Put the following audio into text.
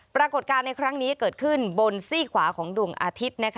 ปรากฏการณ์ในครั้งนี้เกิดขึ้นบนซี่ขวาของดวงอาทิตย์